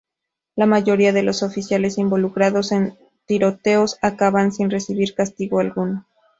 La mayoría de los oficiales involucrados en tiroteos acaban sin recibir castigo alguno.